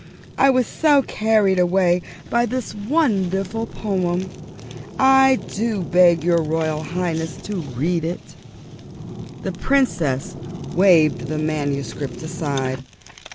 I was so carried away by this wonderful poem. I do beg of your Royal Highness to read it." The Princess waved the manuscript aside.